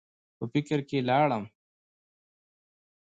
پۀ فکر کښې لاړم ـ